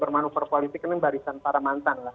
bermanuver politik ini barisan para mantan lah